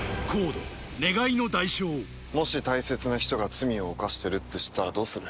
「もし大切な人が罪を犯してるって知ったらどうする？」